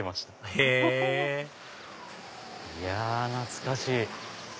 へぇいや懐かしい！